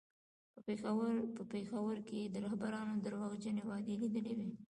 په پېښور کې یې د رهبرانو درواغجنې وعدې لیدلې وې.